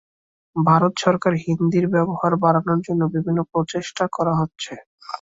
ভারত সরকার হিন্দির ব্যবহার বাড়ানোর জন্য বিভিন্ন প্রচেষ্টা করা হচ্ছে।